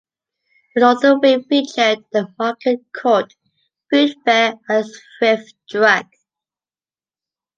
The northern wing featured the "Market Court", Food Fair, and Thrift Drug.